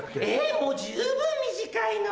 もう十分短いのに。